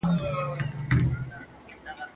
وزارت، مالي وزارت او بسپنه ورکوونکي رول لري.